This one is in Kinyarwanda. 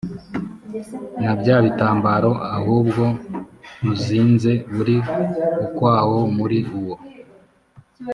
na bya bitambaro ahubwo uzinze uri ukwawo muri uwo